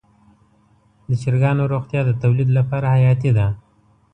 د چرګانو روغتیا د تولید لپاره حیاتي ده.